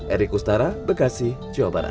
erik ustara bekasi jawa barat